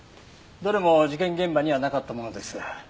どれも事件現場にはなかったものです。